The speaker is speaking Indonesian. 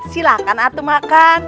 silakan atu makan